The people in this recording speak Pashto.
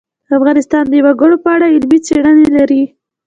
افغانستان د وګړي په اړه علمي څېړنې لري.